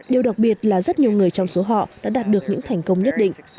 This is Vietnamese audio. điều đặc biệt là rất nhiều người trong số họ đã đạt được những thành công nhất định